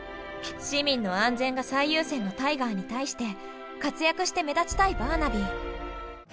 市民の安全が最優先のタイガーに対して活躍して目立ちたいバーナビー。